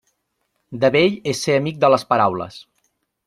De vell és ser amic de les paraules.